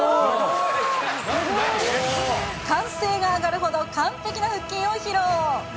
歓声が上がるほど、完璧な腹筋を披露。